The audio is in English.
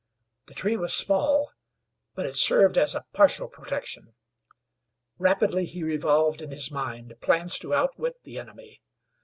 The tree was small, but it served as a partial protection. Rapidly he revolved in his mind plans to outwit the enemy.